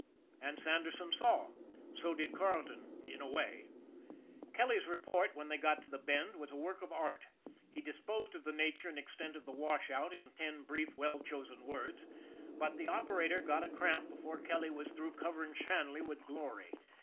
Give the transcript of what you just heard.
And Sanderson saw. So did Carleton in a way. Kelly's report, when they got to the Bend, was a work of art. He disposed of the nature and extent of the washout in ten brief, well chosen words, but the operator got a cramp before Kelly was through cover ing Shanley with glory.